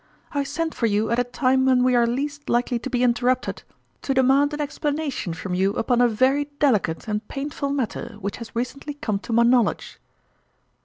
" I sent for you at a time when we are least likely to be interrupted, to demand an explanation from you upon a very delicate and painful matter which has recently come to my knowledge."